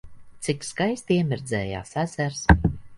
Cik skaisti iemirdzējās ezers!